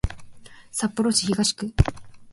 札幌市東区